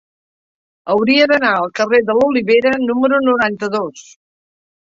Hauria d'anar al carrer de l'Olivera número noranta-dos.